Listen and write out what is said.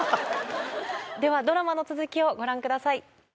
では、ドラマの続きをご覧ください。